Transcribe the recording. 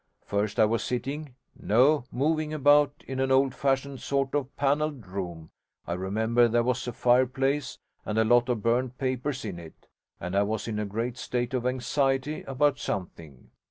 First I was sitting, no, moving about, in an old fashioned sort of panelled room. I remember there was a fireplace and a lot of burnt papers in it, and I was in a great state of anxiety about something.